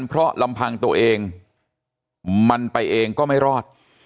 เพราะลำพังตัวเองมันไปเองก็ไม่รอด